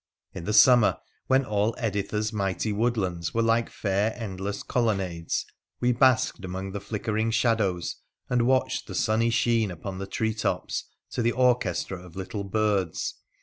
In the summer, when all Editha's mighty woodlands were like fair endless colonnades, we basked amid the flickering shadows and watched the sunny sheen upon the treetops, to the orchestra of little birds.